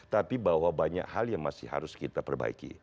tapi bahwa banyak hal yang masih harus kita perbaiki